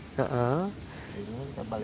ini jangan terlalu besar aja bu